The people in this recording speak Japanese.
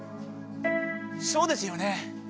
そうですよね？